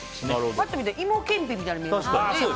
パッと見て芋けんぴみたいに見えますね。